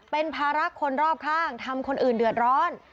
เป็นภาระคนรอบข้างทำคนอื่นเดือดร้อน